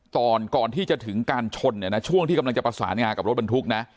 ก่อนที่จะถึงการชนเนี่ยนะช่วงที่กำลังจะประสานงานกับรถบรรทุกนะ